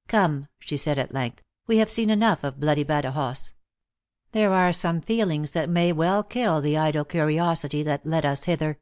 " Come," she said, at length, " we have seen enough of bloody Badajoz. There are some feelings that may well kill the idle curiosity that led us hither."